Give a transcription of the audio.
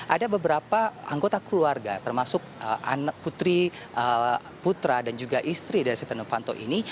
ada beberapa anggota keluarga termasuk putri putra dan juga istri dari setia novanto ini